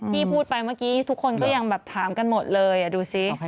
ที่พูดไปเมื่อกี้ทุกคนก็ยังแบบถามกันหมดเลยดูสิ